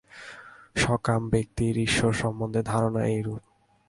সকাম ব্যক্তির ঈশ্বর সম্বন্ধে ধারণা এইরূপ।